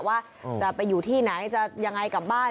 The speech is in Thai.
ว่าจะไปอยู่ที่ไหนจะยังไงกลับบ้าน